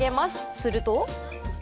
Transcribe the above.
すると。